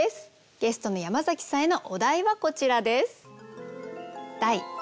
ゲストの山崎さんへのお題はこちらです。